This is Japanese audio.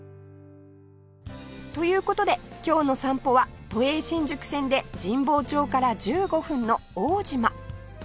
という事で今日の散歩は都営新宿線で神保町から１５分の大島